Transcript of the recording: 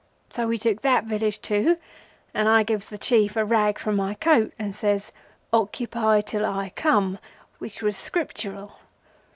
So we took that village too, and I gives the Chief a rag from my coat and says, 'Occupy till I come': which was scriptural.